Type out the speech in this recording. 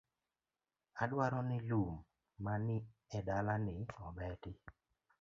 Adwaro ni lum ma ni edala ni obeti